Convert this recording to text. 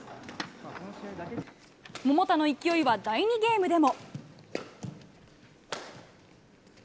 桃田の勢いは第２ゲームでも。